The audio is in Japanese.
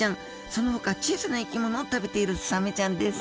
そのほか小さな生き物を食べているサメちゃんです